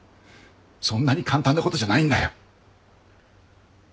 そんなに簡単なことじゃないんだよ。